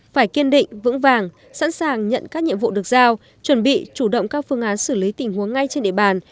phải kiên định vững vàng sẵn sàng nhận các nhiệm vụ được giao chuẩn bị chủ động các phương án xử lý tình huống ngay trên địa bàn